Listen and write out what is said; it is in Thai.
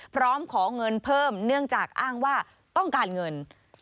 พร้อมขอเงินเพิ่มเนื่องจากอ้างว่าต้องการเงิน